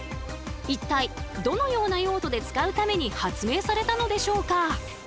一体どのような用途で使うために発明されたのでしょうか？